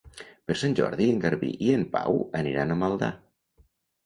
Per Sant Jordi en Garbí i en Pau aniran a Maldà.